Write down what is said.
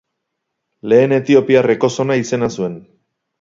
Lehen Etiopiar ekozona izena zuen.